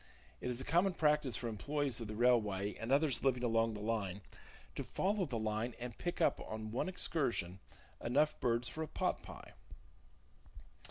It is a common practice for employees of the railway, and others living along the line, to follow the line and pick up on one excursion enough birds for a pot pie.